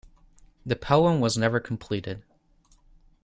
The poem was never completed.